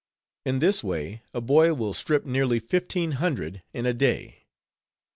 In this way a boy will strip nearly fifteen hundred in a day.